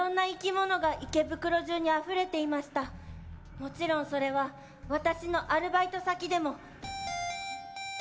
もちろんそれは私のアルバイト先でも。